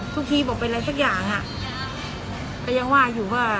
ทุกทีบอกเป็นอะไรสักอย่างก็ยังว่าอยู่ว่า